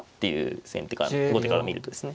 後手から見るとですね